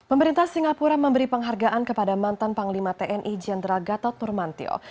pemerintah singapura memberi penghargaan kepada mantan panglima tni jenderal gatot nurmantio